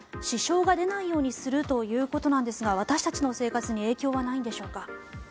支障が出ないようにするということですが私たちの生活に影響はないんでしょうか？